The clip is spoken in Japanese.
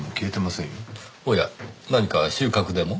おや何か収穫でも？